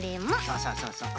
そうそうそうそう。